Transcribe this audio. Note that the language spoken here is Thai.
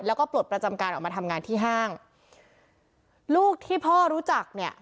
แล้วก็ปลดประจำการออกมาทำงานที่ห้างลูกที่พ่อรู้จักเนี่ย